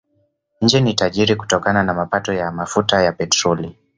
Nchi ni tajiri kutokana na mapato ya mafuta ya petroli.